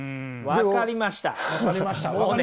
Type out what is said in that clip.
分かりました？